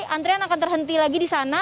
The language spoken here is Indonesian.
antrian akan terhenti lagi di sana